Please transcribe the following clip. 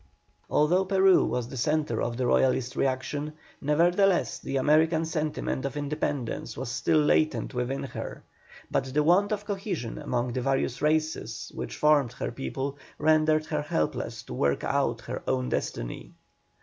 Although Peru was the centre of the Royalist reaction, nevertheless the American sentiment of independence was still latent within her, but the want of cohesion among the various races which formed her people rendered her helpless to work out her own destiny.